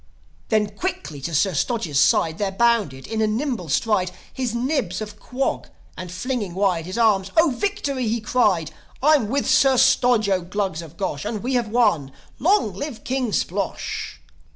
Then, quickly to Sir Stodge's side There bounded, in a single stride, His Nibs of Quog; and flinging wide His arms, "O victory!" he cried. "I'm with Sir Stodge, 0 Glugs of Gosh! And we have won! Long live King Splosh!"